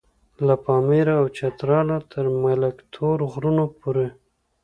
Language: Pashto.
له پاميره او چتراله تر ملک تور غرونو پورې.